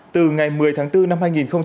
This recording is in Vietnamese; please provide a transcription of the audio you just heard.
từ ngày một mươi tháng bốn năm hai nghìn hai mươi